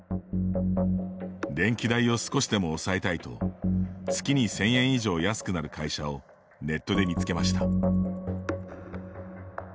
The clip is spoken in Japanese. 電気代を少しでも抑えたいと月に１０００円以上安くなる会社をネットで見つけました。